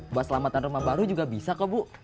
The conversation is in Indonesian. buat selamatan rumah baru juga bisa kok bu